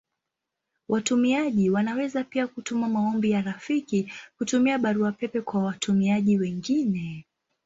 Watumiaji wanaweza pia kutuma maombi ya rafiki kutumia Barua pepe kwa watumiaji wengine.